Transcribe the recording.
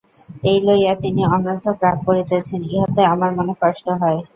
এই লইয়া তিনি অনর্থক রাগ করিতেছেন, ইহাতে আমার মনে কষ্ট হয়।